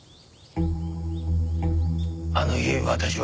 あの日私は。